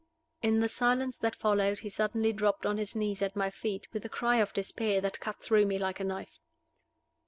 In the silence that followed he suddenly dropped on his knees at my feet, with a cry of despair that cut through me like a knife.